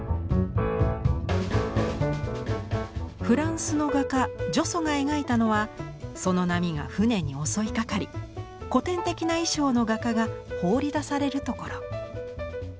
フランスの画家ジョソが描いたのはその波が舟に襲いかかり古典的な衣装の画家が放り出されるところ。